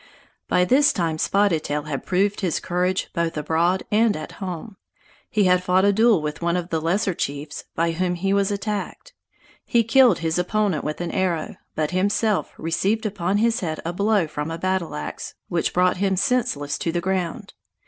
By this time Spotted Tail had proved his courage both abroad and at home. He had fought a duel with one of the lesser chiefs, by whom he was attacked. He killed his opponent with an arrow, but himself received upon his head a blow from a battle axe which brought him senseless to the ground.